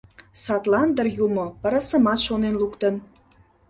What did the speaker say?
Садлан дыр Юмо пырысымат шонен луктын.